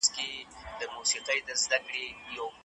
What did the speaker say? دا کومه اضافي خبره نه ده.